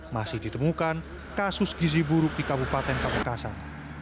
masih ditemukan kasus gizi buruk di kabupaten pamekasan